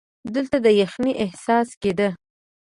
دلته د یخنۍ احساس کېده.